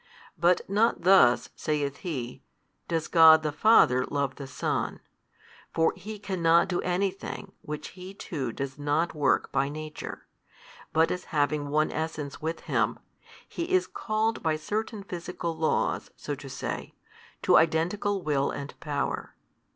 But not thus (saith He) does God the Father love the Son, for He cannot do anything which He too does not work by Nature, but as having One Essence with Him, He is called by certain Physical laws, so to say, to identical Will and Power.